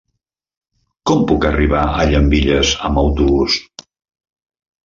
Com puc arribar a Llambilles amb autobús?